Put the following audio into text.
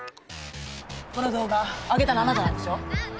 この動画あげたのあなたなんでしょ？